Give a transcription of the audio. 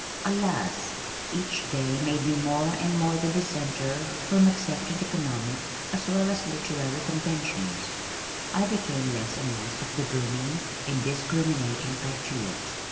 Alas! Each day made me more and more the dissenter from accepted economic as well as literary conventions. I became less and less of the booming, indiscriminating patriot.